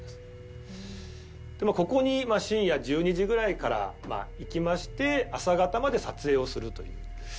ここに深夜１２時ぐらいから行きまして朝方まで撮影をするという。